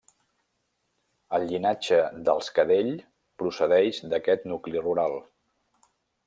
El llinatge dels Cadell procedeix d'aquest nucli rural.